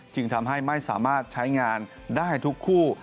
จึงทำให้ไม่สามารถใช้งานได้ทุกคู่